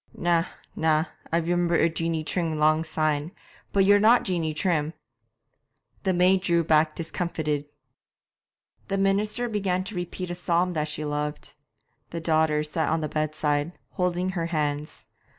'Na, na, I remember a Jeanie Trim long syne, but you're not Jeanie Trim!' The maid drew back discomfited. The minister began to repeat a psalm that she loved. The daughters sat on the bedside, holding her hands.